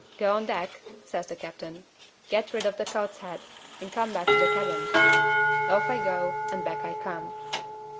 'Go on deck,' says the captain. 'Get rid of the cod's head, and come back to the cabin.' Off I go, and back I come.